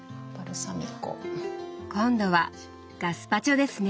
今度はガスパチョですね。